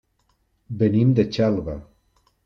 Venim de Xelva.